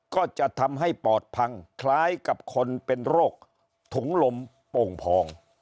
ก็จะทำให้ปอดพังคล้ายกับคนเป็นโรคถุงลมโป่งพอง